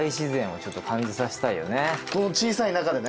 この小さい中でね。